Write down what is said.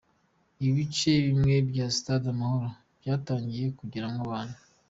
Ibice bimwe bya sitade Amahoro byatangiye kugeramo abantu .